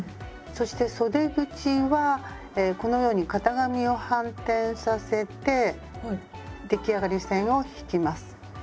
そしてそで口はこのように型紙を反転させて出来上がり線を引きます。